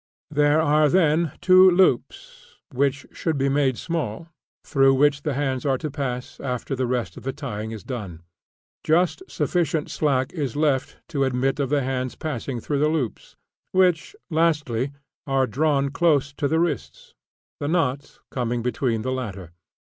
There are then two loops which should be made small through which the hands are to pass after the rest of the tying is done. Just sufficient slack is left to admit of the hands passing through the loops, which, lastly, are drawn close to the wrists, the knot coming between the latter.